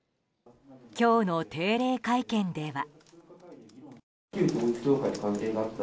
今日の定例会見では。